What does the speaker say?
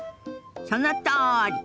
そのとおり！